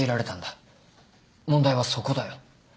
問題はそこだよ。